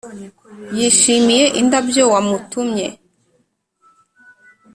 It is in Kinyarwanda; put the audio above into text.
yishimiye indabyo wamutumye.